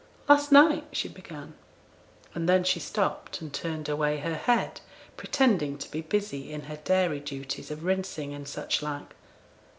'Last night,' she began, and then she stopped, and turned away her head, pretending to be busy in her dairy duties of rinsing and such like.